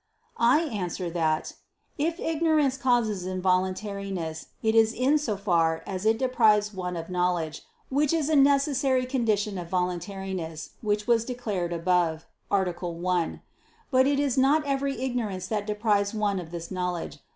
I answer that, If ignorance causes involuntariness, it is in so far as it deprives one of knowledge, which is a necessary condition of voluntariness, as was declared above (A. 1). But it is not every ignorance that deprives one of this knowledge.